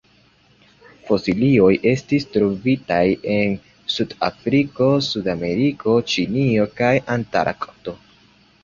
Fosilioj estis trovitaj en Sud-Afriko, Sudameriko, Ĉinio kaj Antarkto.